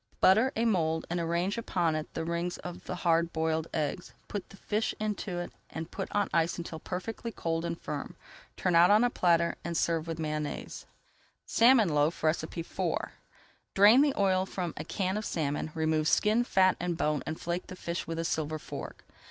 Butter a mould and arrange upon it the rings of the hard boiled eggs. Put the fish into it and put on ice until perfectly cold and firm. Turn out on a platter and serve with Mayonnaise. SALMON LOAF IV Drain the oil from a can of salmon, remove skin, fat, and bone, and flake the fish with a silver fork.